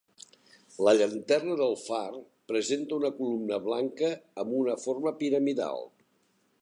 La llanterna del far presenta una columna blanca amb una forma piramidal.